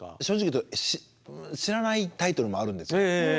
正直言うと知らないタイトルもあるんですよ。